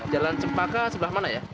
jalan cempaka sebelah mana ya